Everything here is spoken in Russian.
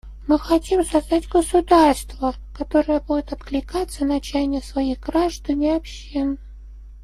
Мы хотим создать государство, которое будет откликаться на чаяния своих граждан и общин.